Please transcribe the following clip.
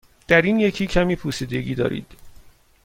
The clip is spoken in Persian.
در این یکی کمی پوسیدگی دارید.